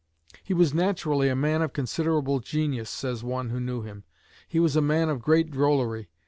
"He was naturally a man of considerable genius," says one who knew him. "He was a man of great drollery.